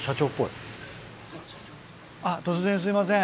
突然すいません。